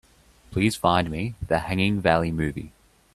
Please find me The Hanging Valley movie.